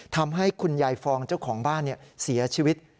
ทำให้คุณยายฟองเจ้าของบ้านเสียชีวิต